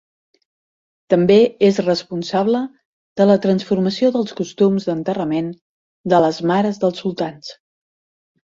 També és responsable de la transformació dels costums d'enterrament de les mares dels sultans.